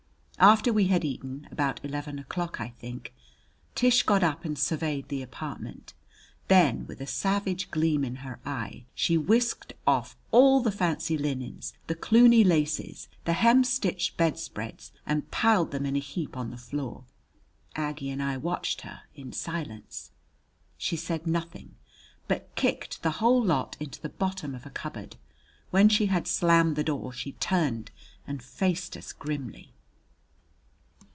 After we had eaten, about eleven o'clock, I think, Tish got up and surveyed the apartment. Then, with a savage gleam in her eye, she whisked off all the fancy linens, the Cluny laces, the hemstitched bedspreads, and piled them in a heap on the floor. Aggie and I watched her in silence. She said nothing, but kicked the whole lot into the bottom of a cupboard. When she had slammed the door, she turned and faced us grimly.